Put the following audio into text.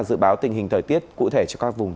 dự báo tình hình thời tiết cụ thể cho các vùng